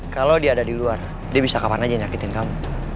kalau dia ada di luar dia bisa kapan aja nyakitin kamu